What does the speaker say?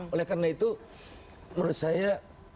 oleh karena itu menurut saya